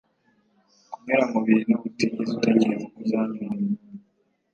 Kunyura mubintu utigeze utekereza ko uzanyuramo